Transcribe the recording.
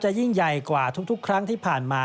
ยิ่งใหญ่กว่าทุกครั้งที่ผ่านมา